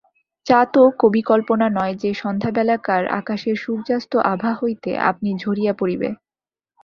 চা তো কবিকল্পনা নয় যে, সন্ধ্যাবেলাকার আকাশের সূর্যাস্ত-আভা হইতে আপনি ঝরিয়া পড়িবে!